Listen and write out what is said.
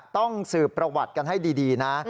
ต้องสืบประวัติกันให้ดีนะ